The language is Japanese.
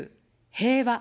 平和。